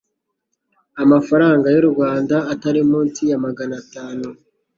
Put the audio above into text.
amafaranga y u rwanda atari munsi yamagana atanu